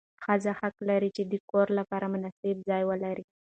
ښځه حق لري چې د کور لپاره مناسب ځای ولري.